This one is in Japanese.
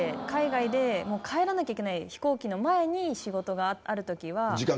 海外でもう帰らなきゃいけない飛行機の前に仕事があるときは。